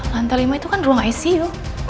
lantai lima itu kan ruang icu